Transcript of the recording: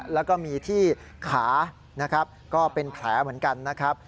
แล้วก็มีที่ขานะครับก็เป็นแผลเหมือนกันนะครับ